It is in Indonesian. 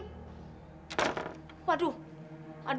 ayah salah tadi